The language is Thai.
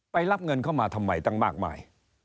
รับเงินเข้ามาทำไมตั้งมากมาย